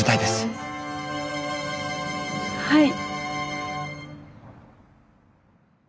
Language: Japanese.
はい。